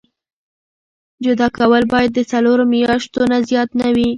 جدا کول باید د څلورو میاشتو نه زیات نه وي.